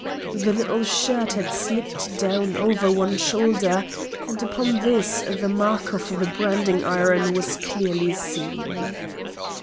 The little shirt had slipped down over one shoulder, and upon this the mark of the branding iron was clearly seen.